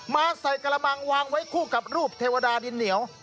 มาใส่กระมังวางไว้คู่กับรูปเทวดาดินเหนียว